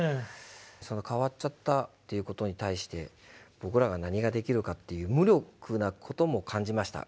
その変わっちゃったということに対して僕らが何ができるかという無力なことも感じました。